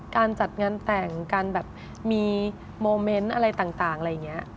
การจัดงานแต่งการแบบมีโมเมนต์อะไรต่างอะไรอย่างนี้